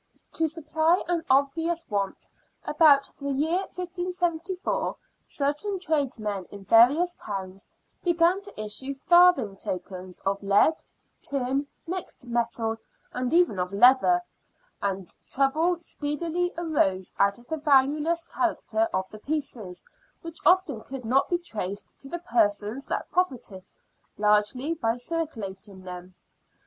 To supply an obvious want, about the year 1574 certain tradesmen in various towns began to issue farthing tokens of lead, tin, mixed metal, and even of leather, and trouble speedily arose out of the valueless character of the pieces, which often could not be traced to the persons that profited largely by circulating them.